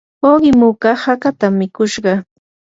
uqi muka hakatam mikushqa.